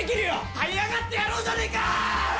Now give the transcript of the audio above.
はい上がってやろうじゃないか！